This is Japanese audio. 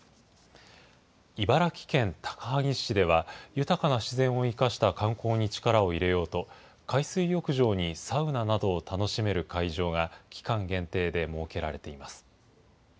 茨城県高萩市では、豊かな自然を生かした観光に力を入れようと、海水浴場にサウナなどを楽しめる会場が期間限定で設けられています。